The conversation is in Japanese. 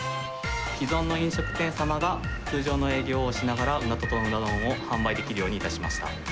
いろんな飲食店様が通常の営業をしながら、うな丼を販売できるようにしました。